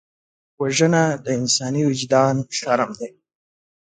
وژنه د انساني وجدان شرم ده